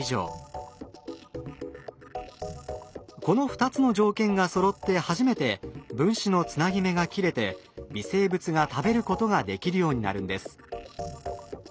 この２つの条件がそろって初めて分子のつなぎ目が切れて微生物が食べることができるようになるんです。